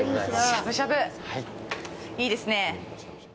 しゃぶしゃぶ、いいですねぇ。